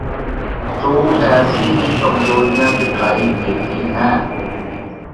تو ایسی ہی کمزوریاں دکھائی دیتی ہیں۔